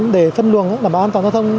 để phân luồng đảm bảo an toàn giao thông